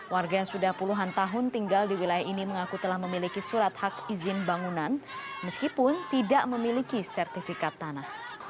warga yang sudah puluhan tahun tinggal di wilayah ini mengaku telah memiliki surat hak izin bangunan meskipun tidak memiliki sertifikat tanah